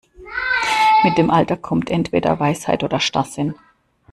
Mit dem Alter kommt entweder Weisheit oder Starrsinn.